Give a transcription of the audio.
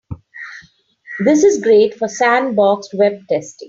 This is great for sandboxed web testing.